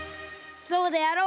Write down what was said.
そうであろう。